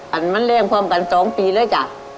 แบบมันเรียงพรวมกัน๒ปีเลยจ้ะ